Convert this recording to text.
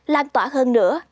lan tỏa hơn nữa